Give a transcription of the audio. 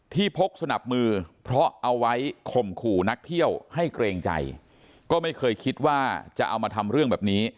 พกสนับมือเพราะเอาไว้ข่มขู่นักเที่ยวให้เกรงใจก็ไม่เคยคิดว่าจะเอามาทำเรื่องแบบนี้